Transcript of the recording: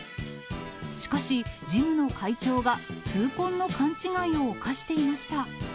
しかし、ジムの会長が痛恨の勘違いを犯していました。